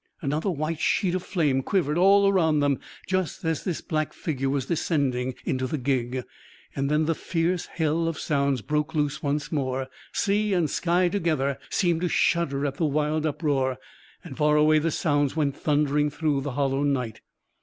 _" Another white sheet of flame quivered all around them, just as this black figure was descending into the gig; and then the fierce hell of sounds broke loose once more. Sea and sky together seemed to shudder at the wild uproar, and far away the sounds went thundering through the hollow night.